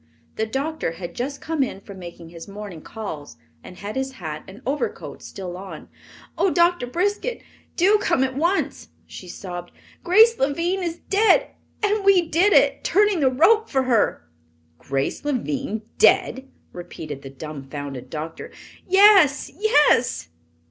The doctor had just come in from making his morning calls and had his hat and overcoat still on. "Oh, Doctor Briskett, do come at once!" she sobbed. "Grace Lavine is dead, and we did it, turning the rope for her!" "Grace Lavine dead?" repeated the dumfounded doctor. "Yes! yes!"